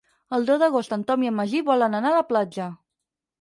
El deu d'agost en Tom i en Magí volen anar a la platja.